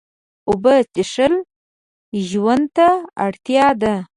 اوبه څښل ژوند ته اړتیا ده